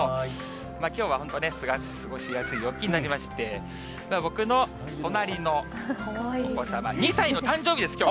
きょうは本当、過ごしやすい陽気になりまして、僕の隣のお子様、２歳の誕生日です、きょう。